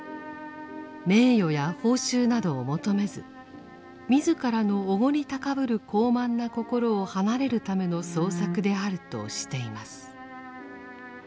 名誉や報酬などを求めず自らのおごり高ぶる高慢な心を離れるための創作であるとしています。